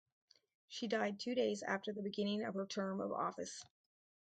She died two days after the beginning of her term of office.